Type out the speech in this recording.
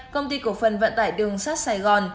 công ty cổ phần vận tải đường sắt sài gòn